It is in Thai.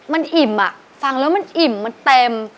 มันอิ่มอ่ะฟังแล้วมันอิ่มมันเต็ม